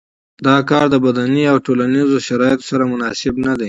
دا کار د بدني او ټولنیزو شرایطو سره مناسب نه دی.